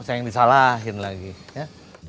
saya yang disalahin lagi ya